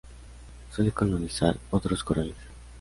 Suele colonizar otros corales.